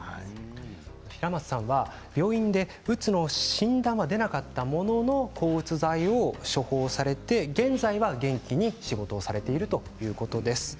平松さんは病院でうつの診断は出なかったものの抗うつ剤を処方されて現在は元気に仕事をされているということです。